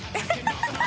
ハハハ